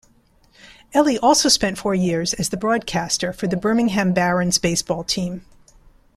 Eli also spent four years as the broadcaster for the Birmingham Barons baseball team.